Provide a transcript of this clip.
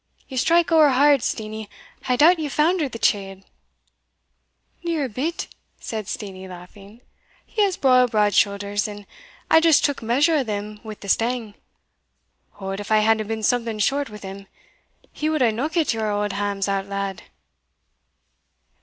Ye strike ower hard, Steenie I doubt ye foundered the chield." "Neer a bit," said Steenie, laughing; "he has braw broad shouthers, and I just took measure o' them wi' the stang. Od, if I hadna been something short wi' him, he wad hae knockit your auld hams out, lad."